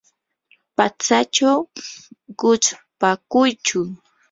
patsachaw quchpakuychu.